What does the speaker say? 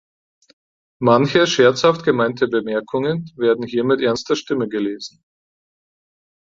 Manche scherzhaft gemeinte Bemerkungen werden hier mit ernster Stimme gelesen.